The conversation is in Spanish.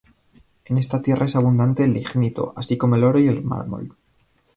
En esta tierra es abundante el lignito, así como el oro y el mármol.